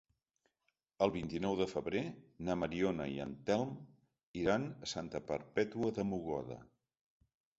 El vint-i-nou de febrer na Mariona i en Telm iran a Santa Perpètua de Mogoda.